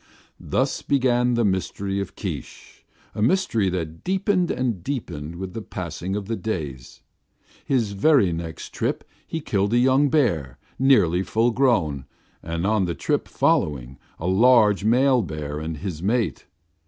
Thus began the mystery of Keesh, a mystery that deepened and deepened with the passing of the days. His very next trip he killed a young bear, nearly full grown, and on the trip following, a large male bear and his mate.